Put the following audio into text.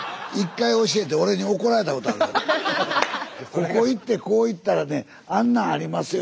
「ここ行ってこう行ったらねあんなありますよ」